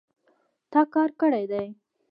تا کار کړی دی